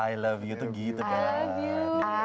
i love you tuh gitu kan